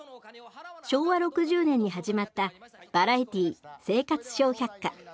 昭和６０年に始まった「バラエティー生活笑百科」。